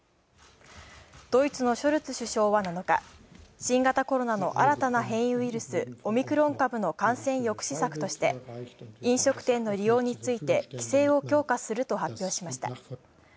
ドイツのショルツ首相は７日、新型コロナの新たな変異ウイルスオミクロン株の感染抑止策として飲食店の利用について、規制を強化すると発表しました。